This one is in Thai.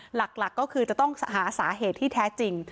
หลักก็คือจะต้องหาสาเหตุที่แท้จริง